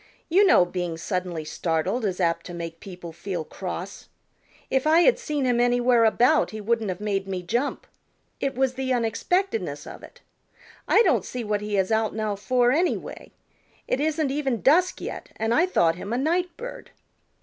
"You know being suddenly startled is apt to make people feel cross. If I had seen him anywhere about he wouldn't have made me jump. It was the unexpectedness of it. I don't see what he is out now for, anyway, It isn't even dusk yet, and I thought him a night bird."